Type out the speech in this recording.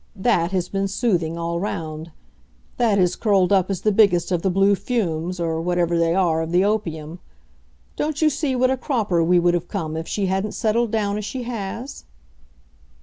THAT has been soothing, all round; that has curled up as the biggest of the blue fumes, or whatever they are, of the opium. Don't you see what a cropper we would have come if she hadn't settled down as she has?"